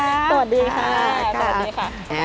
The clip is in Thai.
สวัสดีค่ะสวัสดีค่ะ